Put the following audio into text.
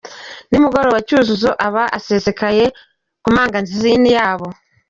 Nimugoroba Cyuzuzo aba asesekaye ku mangazini yabo.